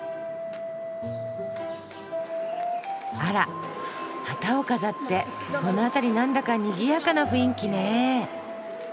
あら旗を飾ってこの辺りなんだかにぎやかな雰囲気ね。